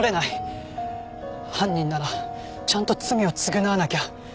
犯人ならちゃんと罪を償わなきゃ。